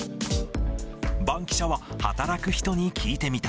バンキシャは働く人に聞いてみた。